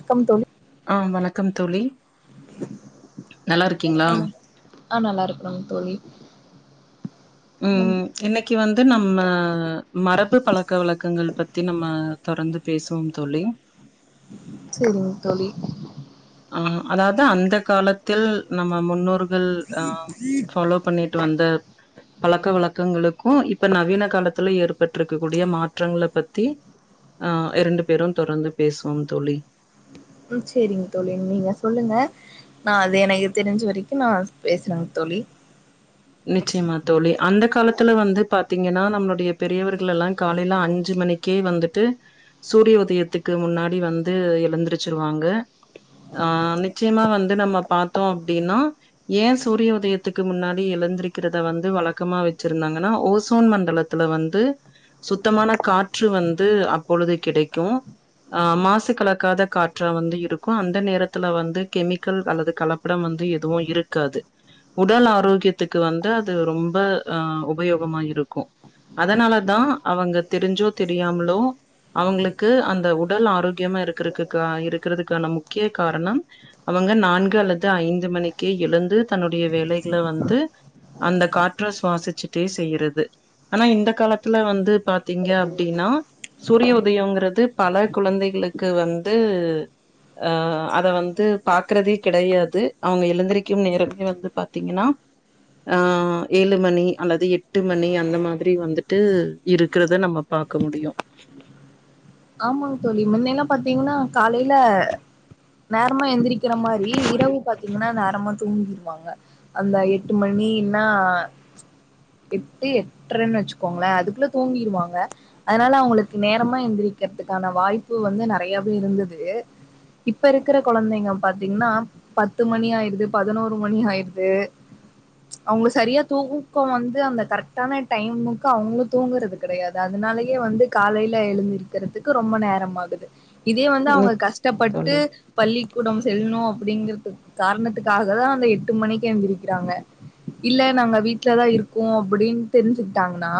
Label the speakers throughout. Speaker 1: க்கம் தோழி
Speaker 2: அ வணக்கம் தோழி நல்லா இருக்கீங்களா
Speaker 1: அ நல்லா இருக்குறோங் தோழி
Speaker 2: உம் ம் இன்னிக்கி வந்து நம்ம மரபு பழக்க வழக்கங்கள் பத்தி நம்ம தொடந்து பேசுவோம் தோழி
Speaker 1: சேரிங் தோழி
Speaker 2: அ அதாவாது அந்த காலத்தில் நம்ம முன்னோறுக் கள் அஹம் ஃபாலோ பண்ணிட்டு வந்த பழக்க வழக்கங்களுக்கு இப்ப நவீன காலத்துல ஏற்பட்ருக்க கூடிய மாற்றங்கள பத்தி அ இரண்டு பேரும் தொடர்ந்து பேசுவோம் தோழி
Speaker 1: உம் சேரிங் தோழி நீங்க சொல்லுங்க நா அது எனக் தெரிஞ்ச வரிக்கு நா பேசுறங் தோழி
Speaker 2: நிச்சயமா தோழி. அந்த காலத்துல வந்து பாத்தீங்கன்னா நம்முளுடைய பெரியவர்கள் எல்லா காலையில அஞ்சு மணிக்கே வந்துட்டு சூரிய உதயத்துக்கு முன்னாடி வந்து எழுந்துருச்சுருவாங்க அ நிச்சியமா வந்து நம்ம பாத்தோ அப்டின்னா ஏன் சூரிய உதயத்துக்கு முன்னா டி எழுந்திருக்கறத வந்து வழக்கமா வெச்சுருந்தாங்கன்னா ஓசோன் மண்டலத்துல வந்து சுத்தமான காற்று வந்து அப்பொழுது கிடைக்கு அ மாஸ்சு கலக்காத காற்றா வந்து இருக்கு அந்த நேரத்து வந்து கெமிக்கல் அல்லது கலப்படம் வந்து எதுவு இருக்காது உடல் ஆரோக்கியத் த்துக்கு வந்து அது ரொம்ப அ உபயோகமா இருக்கு அதனால தா அவுங்க தெரிஞ்சோ தெரியாமோலோ அவுங்களுக்கு அந்த உடல் ஆரோக்கியமா இருக்கிறக்கா இருக்கிறதுக்கான முக்கிய காரணம் அவுங்க நான்கு அல்லது ஐந்து மணிக்கே எழுந்து தன்னுடைய வேலைகள வந்து அந்த காற்ற சுவாசிச்சுட்டே செய்யிறது அனா இந்த காலத்துல வந்து பாத்தீங்க அப்டின்னா சூரிய உதயோங்குறது பல குழந்தைகளுக்கு வந்து அ அத வந்து பாக்கறதே கிடையாது அவுங்க எழுந்தரிக்கும் நேரமே வந்து பாத்தீங்கன்னா அஏழு மணி அல்லது எட்டு மணி அந்த மாதிரி வந்துட்டு இருக்குறத நம்ம பாக்க முடியு
Speaker 1: ஆமாங் தோழி முன்னெல்லா பாத்தீங்ன்னா காலையில நேரமா எந்திரிக்கிற மாரி இரவு பாத்தீங்ன்னா நேரமா தூங்கிருவாங்க அந்த எட்டு மணினா எட்டு எட்ர வெச்சுக்கோங்களே அதுக்குள்ள தூங்கிருவாங்க அதனால அவுங்களுக்கு நேரமா எந்திரிக் க்கிறதுக்கான வாய்ப்பு வந்து நறையாவே இருந்தது இப்ப இருக்கற கொழந்தைங்க பாத்தீங்ன்னா பத்து மணி ஆயிருது பதினோரு மணி ஆயிருது அவுங்க சரியா தூக்கோ வந்து அந்த கரெக்டான டைமுக்கு அவுங்களு தூங்குறது கடையாது அதுனாலேயே வந்து காலையில எழுந் துறத்துக்கு ரொம்ப நேரம் ஆகுது இதே வந்து அவுங்க
Speaker 2: நிச்சயமா
Speaker 1: கஷ்டப்பட்டு
Speaker 2: தோழி.
Speaker 1: பள்ளிக்கூடம் செல்ணு அப்பிடிங்கிறுத் காரணத்துக்காக தா அந்த எட்டு மணிக்கு எழுந்திக்கிறாங்க இல்ல நாங்க வீட்டுலதா இருக்கோம் அப்பிடின் தெரிஞ்சுக்கிட்டாங்கன்னா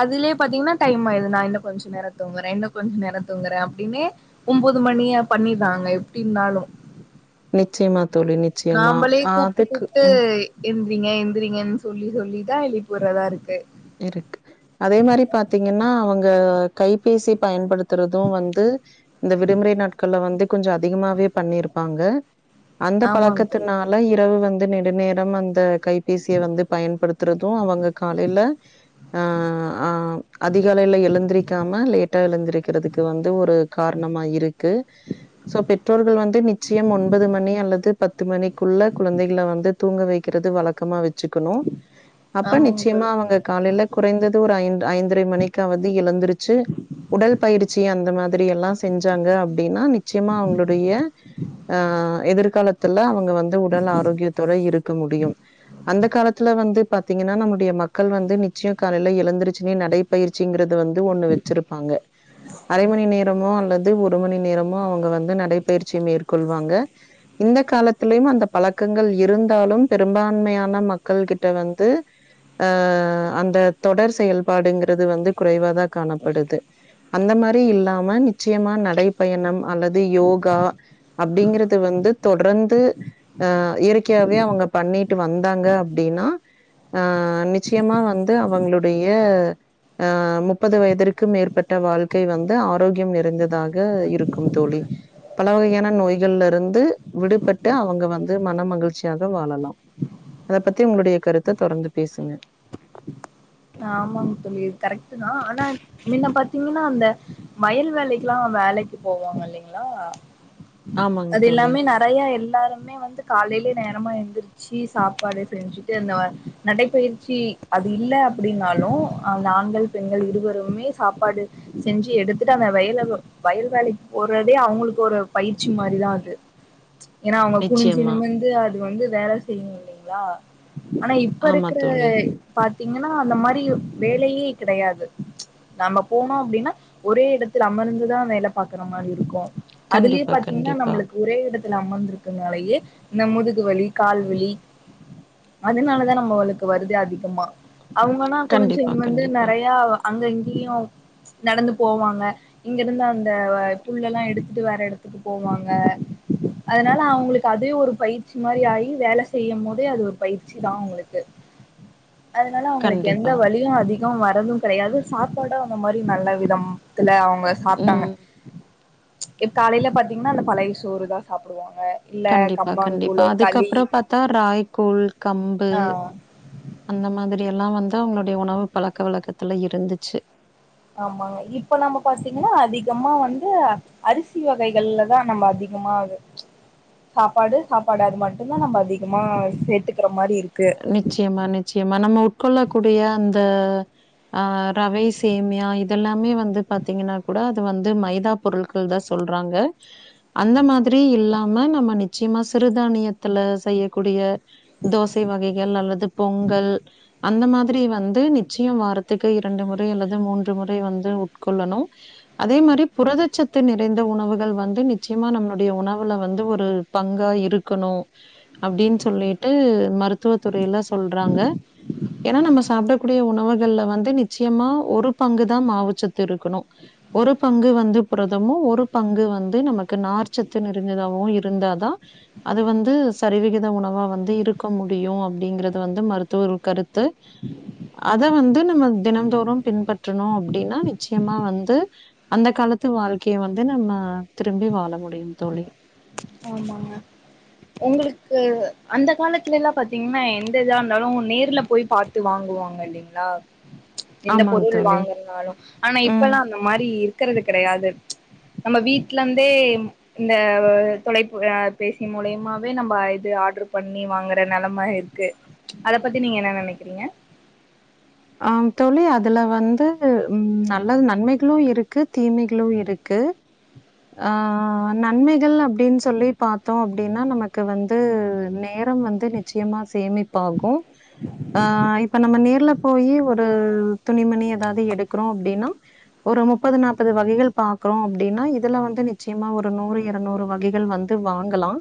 Speaker 1: அதுலயே பாத்தீங்ன்னா டைம் ஆயிருது நா இன்னு கொஞ்சோ நேரோ தூங்குறே இன்னு கொஞ்சோ நேர தூங்குறே அப்டின்னே ஒன்பது மணியே பண்ணிராங்க எப்டி இருந்தாலு
Speaker 2: நிச்சியமா தோழி நிச்சியமா அ அதுக்கு ம்
Speaker 1: எந்திரீங்க எந்திரீங்கன் சொல்லி சொல்லிதா எழிப்புறதாருக்கு
Speaker 2: இருக்கு அதே மாரி பாத்தீங்கன்னா அவுங்க கைபேசி பயன்படுத்துறது வந்து இந்த விடுமுறை நாட்கள்ள வந்து கொஞ்சோ அதிகமாவே பண்ணிருப்பாங்க அந்த
Speaker 1: ஆமாங் தோழி
Speaker 2: பழக்கத்துனால இரவு வந் ந்த நெடு நேரம் அந்த கைபேசிய வந்து பயன்படுத் து அவுங்க காலையில ஆஹ் ஆஹ் அதிகாலையில எழுந்திரிக்காம லேட்டா எழுந்திரிக்கிறதுக் வந்து ஒரு காரணமா இருக்கு சோ பெற்றோர்கள் வந்து நிச்சியம் ஒன்பது மணி அல்லது பத் பத்து மணிக்குள்ள குழந்தைகளை வந்து தூங்க வைக்கிறது வழக்கமா வச் சிக்கணு அப்ப
Speaker 1: ஆமாங்
Speaker 2: நிச்சயமா
Speaker 1: தோழி
Speaker 2: அவங்க காலையில குறைந்தது ஒரு ஐந்து ஐந்தரை மணிக்காவது எழுந்துருச்சு உடல் பயிற்சி அந்த மாதிரி எல்லாம் செஞ்சாங்க அப்படின்னா நிச்சயமா அவங்களுடைய ஆஹ் எதிர்கால தில அவங் வந்து உடல் ஆரோக்கியத்தோட இருக்க முடியும் அந்த காலத்துல வந்து பாத்தீங்கன்னா நம்முடைய மக்கள் வந் நிச்சயம் காலைல எழுந்திருச்சி நடைப்பயிற்சிங்கிற வந்து ஒண்ணு வச்சிருப்பாங்க அரை மணி நேரமோ அல்ல ஒரு மணி நேரமும் அவங்க வந்து நடைபயிற்சி மேற்கொள்வாங்க இந்த காலத்திலும் அந்த பழக்கங்கள் இருந்தாலும் பெரும்பான்மையான மக்கள் கிட்ட வந்து அ அந்த தொடர் செயல்பாடுங்கிறது வந்து குறைவாதா காணப்படுது அந்த மாதிரி இல்லாம நிச்சயமா நடைபயணம் அல்லது யோகா அப்படிங்கிறது வந்து தொடர்ந்து அ இயற்கையாவே அவங்க பண்ணிட்டு வந்தாங்க அப்படின்னா அ நிச்சயமா வந் ந்து அவங்களுடைய ஆ முப்பது வயதிற்கு மேற்பட்ட வாழ்க்கை வந்து ஆரோக்கியம் நிறைந்ததாக இருக்கும் தோழி பல வகையான நோய்கள்ல இருந்து விடுபட்டு அவங்க வந்து மன மகிழ்ச்சியாக வாழலாம் அத பத்தி உங்களுடைய கருத்தை தொடர்ந்து பேசுங்க
Speaker 1: ஆமாங்க தோழிர் கரெக்ட்தா ஆனா நீங்க பாத்தீங்கன்னா அந்த வயல் வேலைக்கெல்லாம் வேலைக்கு போவாங்க இல்லிங்களா
Speaker 2: ஆமாங்க
Speaker 1: அது
Speaker 2: தோழி.
Speaker 1: எல்லாமே நிறைய எல் எல்லாருமே வந்து காலையிலயே நேரமா எந்திருச்சு சாப்பாடு செஞ்சுட்டு அந்த நடைபயிற்சி அது இல்ல அப்படின்னாலும் அந்த ஆண்கள் பெண்கள் இருவருமே சாப்பாடு செஞ்சு எடுத்துட்டு அந்த வயல் வயல் வேலைக்கு போடுறதே அவங்களுக்கு ஒரு பயிற்சி மாரிதா அது ஏன்னா அவங்க குனிஞ்சி
Speaker 2: நிச்சயமா.
Speaker 1: நிமிந்து அது வந்து வேல செய்யும் இல்லிங்களா ஆனா இப்ப
Speaker 2: ஆமா
Speaker 1: இருக்கிற
Speaker 2: தோழி.
Speaker 1: பா ஆனா அந்த மாதிரி வேலையே கிடையாது நம்ம போனோம் அப்படின்னா ஒரே இடத்துல அமர்ந்துதா வேலை பாக்கற மாரி இருக்கும் அதுலயே
Speaker 2: கண்டிப்பா,
Speaker 1: பாத்தீங்கன்னா
Speaker 2: கண்டிப்பா.
Speaker 1: நம்மளுக்கு ஒரே இடத் இதுல அமர்ந்திருக்கனாலயே இந்த முதுகு வலி கால்வலி அதனாலதா நம்மளுக்கு வருது அதிகமா
Speaker 2: ம்.
Speaker 1: அவங்கன்னா குனிஞ்சி
Speaker 2: கண்டிப்பா,
Speaker 1: நிமிந்து
Speaker 2: கண்டிப்பா,
Speaker 1: நிறைய அங்க இங்கேயு நடந்து போவாங்க இங்க இருந்து அந்த புல்லல்லா எடுத்துட்டு வேற இடத்துக்கு போவாங்க அதனால அவங்களுக்கு அதே ஒரு பயிற்சி மாதிரி ஆகி வேலை செய்யும் போதே அது ஒரு பயிற்சிதா அவங்களுக்கு அதனால அவங்களுக்கு எந்த
Speaker 2: கண்டிப்பா.
Speaker 1: வலியும் அதிக வும் வரதும் கிடையாது சாப்பாடும் அந்த மாரி நல்ல விதம் த்துல அவங் ங்க சாப்டாங்க
Speaker 2: ம்.
Speaker 1: இப் காலையில பாத்தீங்ன்னா அந்த பழைய சோறு தா சாப்புடுவோ
Speaker 2: கண்டிப்பா கண்டிப்பா அதுக்கப்புற பாத்தா ராய் கூழ் கம்பு
Speaker 1: ஆ
Speaker 2: அந்த மாதிரி எல்லா வந்து தா அங்ளுடைய உணவு பழக்க வழக்கத்துல இருந்துச்சு
Speaker 1: ஆமாங்க இப்ப நம்ம பாத்தீங்கன்னா அதிகமா வந்து அரிசி வகைகள்லதா நம்ப அதிகமா இது சாப்பாடு சாப்பாடு அது மட்டுந்தா நம்ப அதிகமா சேத்துக்குற மாரி இருக்
Speaker 2: அ நிச்சயமா நிச்சயமா நம்ம உட்கொள்ள கூடிய அந்த ஆ ரவை சேமியா இதெல்லாமே வந்து பாத்தீங்கன்னா கூட அது வந்து மைதா பொருள்கள் தா சொல்றாங்க அந்த மாதிரி இல்லாம நம்ம நிச்சயமா சிறுதானியத்துல செய்யக்கூடிய தோஸ் வகைகள் அல்லது பொங்கல் அந்த மாதிரி வந்து நிச்சயம் வாரத்துக்கு இரண்டு முறை அல்லது மூன்று முறை வந்து உட்கொள்ளணும் அதே மாரி புரதச்சத்து நிறைந்த உணவுகள் வந்து நிச்சயமா நம்ளுடைய உணவுல வந்து ஒரு பங்கா இருக்கணும் அப்டின் சொல்லிட்டு மர் மருத்துவத்துறையில ஸ் சொல்றாங்க ஏன்னா நம்ம சாப்டக்கூடிய உணவுகள்ல வந்து நிச்சயமா ஒரு பங்குதா மாவுச்சத்து இருக்கணும் ஒரு பங்கு வந்து புரதமும் ஒரு பங்கு வந்து நமக்கு நார்ச்சத்து நிறஞ்சதாவும் இருந்தாதா அது வந்து சரிவிகித உணவா வந்து இருக்க முட் டியும் அப்புடிங்கிறது வந்து மருத்துவர்கள் கருத்து அத வந்து நம்ம தினம்தோறும் பின்பற்றணும் அப்புடின்னா நிச்சயமா வந்து அந்த காலத்து வாழ்க்கைய வந்து நம்ம திரும்பி வாழ முடியும் தோழி
Speaker 1: ஆமாங்க உங்களுக்கு அந்த காலத்துலெல்லா பாத்தீங்கன்னா எந்த இதா இருந்தாலும் நேர்ல போய் பாத்து வாங்குவாங்க இல்லைங்களா எந்த
Speaker 2: ஆமாங்க
Speaker 1: பொருள்
Speaker 2: தோழி.
Speaker 1: வாங்குறனாலும் ஆனா நா
Speaker 2: ம்.
Speaker 1: இப்பல்லா அந்த மாரி இருக் இருக்கிறது கிடையாது நம்ம வீட்ல இருந்தே இந்த தொலைப்பு அ பேசி மூலியமாவே நம்ப இது ஆட்ரு பண்ணி வாங்குற நெலம இருக்கு அத பத்தி நீங்க என்ன நெனைக்கிறீங்க
Speaker 2: ஆம் தோழி அதுல வந்து ம் நல்லது நன்மைகளும் இருக்கு தீமைகளும் இருக்கு ஆ நன்மைகள் அப்புடின் சொல்லி பாத்தோ அப்புடின்னா நமக்கு வந்து நேரம் வந்து நிச்சயமா ஸ் சேமிப்பாகும் ஆஹ இப்ப நம்ம நே போய் ஒரு துணிமணி ஏதாவது எடுக்கிறோம் அப்படின்னா ஒரு முப்பது நாற்பது வகைகள் பார்கறோம் அப்படின்னா இதுல வந்து நிச்சயமா ஒரு நூறு இருநூறு வகைகள் வந்து வாங்கலாம்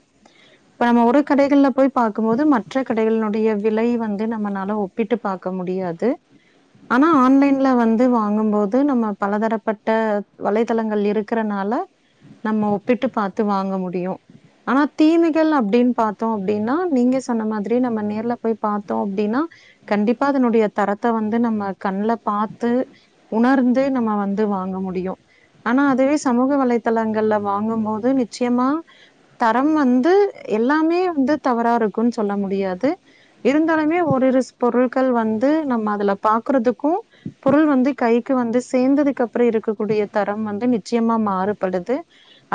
Speaker 2: இப்ப நம்ம ஒரு கடைகள்ல போய் பார்க்கும் போது மற்ற கடைகளினுடைய விலை வந்து நம்மனால ஒப்பிட்டு பார்க்க முடியாது ஆனா ஆன்லைன்ல வந்து வாங்கும்போது நம்ம பலதரப்பட்ட வலைத்தளங்கள் இருக்கறனால நம்ம ஒப்பிட்டு பார்த்து வாங்க முடியும் ஆனா தீமைகள் அப்படின்னு பார்த்தோம் அப்படின்னா நீங்க சொன்ன மாதிரி நம்ம நேர்ல போய் பார்த்தோம் அப்படின்னா கண்டிப்பா அதனுடைய தரத்தை வந்து நம்ம கண்ணுல பார்த்து உணர்ந்து நம்ம வந்து வாங்க முடியும் ஆனா அதுவே சமூக வலைத்தளங்கள்ல வாங்கும் போது நிச்சயமா தரம் வந்து எல்லாமே வந்து தவறா இருக்கும்ன்னு சொல்ல முடியாது இருந்தாலுமே ஒரு இருபொருட்கள் வந்து நம்ம அதுல பாக்குறதுக்கும் பொருள் வந்து கைக்கு வந்து சேர்ந்ததுக்கு அப்புறம் இருக்கக்கூடிய தரம் வந்து நிச்சயமா மாறுபடுது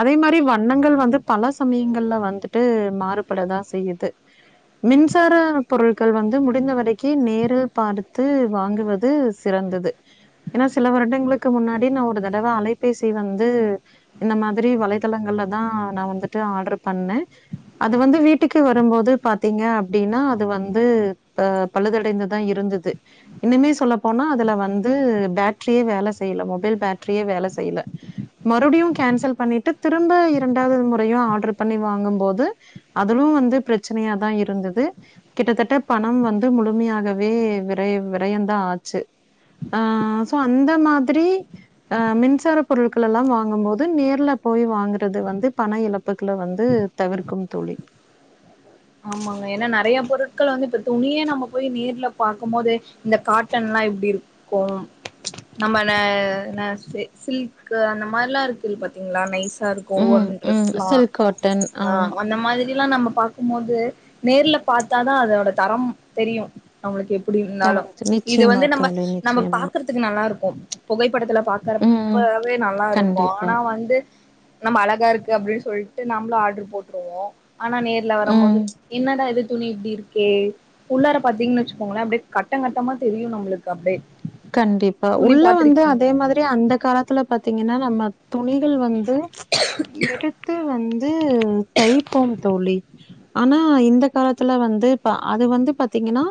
Speaker 2: அதே மாதிரி வண்ணங்கள் வந்து பல சமயங்கள்ல வந்துட்டு மாறுபடுதா செய்யுது மின்சார பொருட்கள் வந்து முடிந்த வரைக்கு நேரில் பாடுத்து வாங்குவது சிறந்தது ஏன்னா சில வருடங்களுக்கு முன்னாடி நான் ஒரு தடவை அலைபேசி வந்து இந்த மாதிரி வலைதளங்கள்ல தான் நான் வந்துட்டு ஆர்டர் பண்ணேன் அது வந்து வீட்டுக்கு வரும்போது பாத்தீங்க அப்படின்னா அது வந்து பழுதடைந்தது இருந்தது இன்னுமே சொல்ல போனா அதுல வந்து பேட்டரியே வேலை செய்யல மொபைல் பேட்டரியே வேலை செய்யல மறுபடியும் கேன்சல் பண்ணிட்டு திரும்ப இரண்டாவது முறையும் ஆர்டர் பண்ணி வாங்கும்போது அதுலும் வந்து பிரச்சனையா தான் இருந்தது கிட்டத்தட்ட பணம் வந்து முழுமையாக விரை விரையந்தான் ஆச்சு ஆ சோ அந்த மாதிரி ஆ மின்சார பொருட்கள் எல்லாம் வாங்கும் போது நேர்ல போய் வாங்குறது வந்து பண இழப்புகளை வந்து தவிர்க்கும் தோழி
Speaker 1: ஆமாங்க ஏன்னா நெறைய பொருட்கள் வந்து துணியே நம்ம போய் நேர்ல பாக்கும் போது இந்த காட்டன்ல்லாம் எப்படி இருக்கும் நம்மல அ சில்க் அந்த மாதிரிலாம் இருக்கு இல்ல பாத்தீங்களா நைஸ் நல்லா இருக்கும்
Speaker 2: ம்,
Speaker 1: ஒவ்வொரு
Speaker 2: ம்.
Speaker 1: டிரஸெலாம்
Speaker 2: சில்க் காட்டன். ஆ.
Speaker 1: அந்த மாதிரி இதெல்லாம் நம்ம பாக் கும் போது நேர்ல பார்த்தா தான் அதோட தரம் தெரியும் நம்மளுக்கு அப்படி இருந்தாலும்
Speaker 2: தரம்
Speaker 1: இது
Speaker 2: நிச்சயமா
Speaker 1: வந்து நம்ம
Speaker 2: தோழி,
Speaker 1: நம்ம
Speaker 2: நிச்சயமா.
Speaker 1: பாக்கறதுக்கு நல்லா இருக்கும் புகைப்படத்துல
Speaker 2: ம்.
Speaker 1: பாக்கறப்பவே நல்லா இருக்கும்
Speaker 2: கண்டிப்பா.
Speaker 1: ஆனா வந்து நம்ம அழகா இருக்கு அப்படின்னு சொல்லிட்டு நம்மளும் ஆர்டரு போட்டுருவோம் ஆனா கிழ
Speaker 2: ம்.
Speaker 1: வரம்மோது என்னடா இது துணி இப்டி இருக்கே உள்ளார பாத்தீங்கன்னு வெச்சுக்கோங்களே அப்புடே கட்டங்க கட்டமா தெரியு நம்புளுக்கு அப்டே
Speaker 2: கண்டிப்பா உள்ள வந்து அதே மாதுரி அந்த காலத்துல பாத்தீங்கன்னா நம்ம துணிகள் வந் து எடுத்து வந்து தைப்போம் தோழி ஆனா இந்த காலத்துல வந்து ப அது வந்து பாத்தீங்கன்னா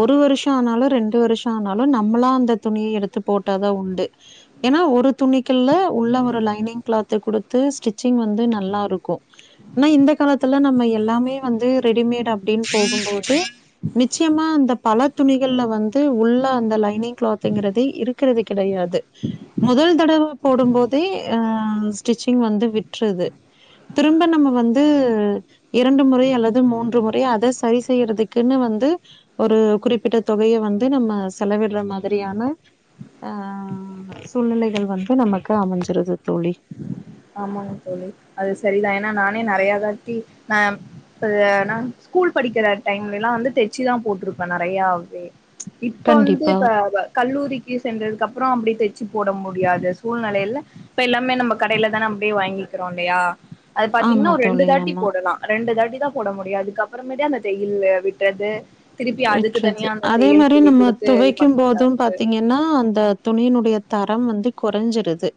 Speaker 2: ஒரு வருஷோ ஆனாலு ரெண்டு வருஷோ ஆனாலு ந ம்பலா அந்த துணி எடுத்து போட்டாதா உண்டு ஏன்னா ஒரு துணிகள்ல உள்ள ஒரு லைனிங் க்ளாத்து குடுத்து ஸ்டிச்சிங் வந்து நல்லாருக்கு இன்னு இந்த காலத்துல நம்ம எல்லாமே வந்து ரெடிமேட் அப்புடின் போகும்போது நிச்சயமா அந்த பல துணிகள்ல வந்து உள்ள அந்த லை இன்னிங்க க்ளாதுங்குறது இருக்கிறது கிடையாது முதல் தடவ போடும்போதே அ ஸ்டிச்சிங் வந்து விட்றது திரும்ப நம்ம வந்து இரண்டு முறை அல்லது மூன்று முறை அத சரி செய்யறதுக்குன்னு வந்து ஒரு குறிப்பிட்ட தொகையை வந்து நம்ம செலவிட் இல்ல மாதிரியான அ சூழ்நிலைகள் வந்து நமக்கு அமஞ்சிருது தோழி
Speaker 1: ஆமாங்க தோழி அது சரிதா ஏன்னா நானே நறையா தாட்டி அம் ஒரு நா ஸ்கூல் படிக்கிற டைம்லெல்லா வந்து தெச்சுதா போட்ருப்பே நறையாவே இப்ப வந்து
Speaker 2: கண்டிப்பா.
Speaker 1: இப்ப வ கல்லூரிக்கி சென்றதுக்கு அப்புறம் அப்புடி தெ ச்சி போட முடியாத சூழ்நிலையில இப்ப எல்லாமே நம்ப க டையில தா நம்ப்டே வாங்கிக்குறோ இல்லையா அது
Speaker 2: ஆமா
Speaker 1: பாத்தீங்கன்னா ஒரு ரெண்டு
Speaker 2: தோழி,
Speaker 1: தாட்டி
Speaker 2: ஆமா.
Speaker 1: போடலா ரெண்டு தாட்டி த்தா போட முடியாதுக்கப்புறமேட்டே அந்த தெய்யில்லு விட்டது
Speaker 2: வெட்றது அதே மாரி நம்ம
Speaker 1: குடுத்து இது
Speaker 2: துவைக்கும்
Speaker 1: பண்றதா
Speaker 2: போதும்
Speaker 1: இருக்கு
Speaker 2: பாத்தீங்கன்னா அந்த துணியினுடையத் தரம் வந்து கொறஞ்சிருது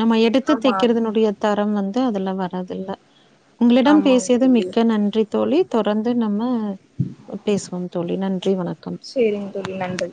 Speaker 2: நம்ம எடுத்து
Speaker 1: ஆமா
Speaker 2: தெக்கிறதுனுடைய தரம் வந்து அதுல்ல வர்றதில்ல உங்களிடம்
Speaker 1: ஆமாங்க
Speaker 2: பேசியது
Speaker 1: தோழி
Speaker 2: மிக்க நன்றி தோழி தொடர்ந்து நம்ம பேசுவோம் தோழி நன்றி வணக்கம்
Speaker 1: சேரிங்க தோழி நன்றி